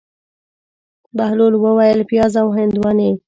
بهلول وویل: پیاز او هندواڼې.